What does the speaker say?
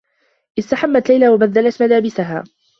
استحمّت ليلى و بدّلت ملابسها.